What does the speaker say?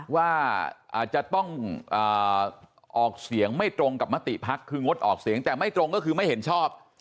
ว่าอาจจะต้องออกเสียงไม่ตรงกับมติภักดิ์คืองดออกเสียงแต่ไม่ตรงก็คือไม่เห็นชอบ